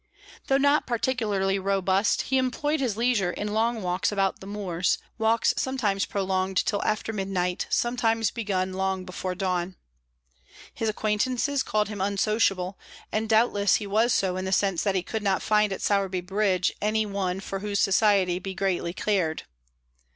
Though not particularly robust, he employed his leisure in long walks about the moors, walks sometimes prolonged till after midnight, sometimes begun long before dawn. His acquaintances called him unsociable, and doubtless he was so in the sense that he could not find at Sowerby Bridge any one for whose society be greatly cared.